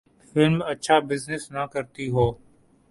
Film اچھا business نہ کرتی ہو۔